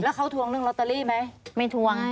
แล้วเขาทวงเรื่องลอตเตอรี่ไหมไม่ทวง